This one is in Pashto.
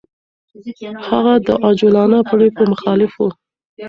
هغه د عجولانه پرېکړو مخالف و.